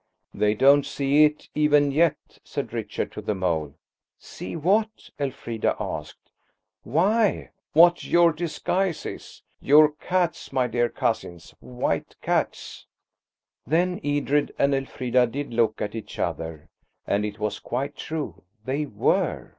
"They don't see it–even yet," said Richard to the mole. "See what?" Elfrida asked. "Why, what your disguise is. You're cats, my dear cousins, white cats!" Then Edred and Elfrida did look at each other, and it was quite true, they were.